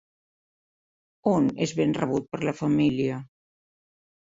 On és ben rebut per la família?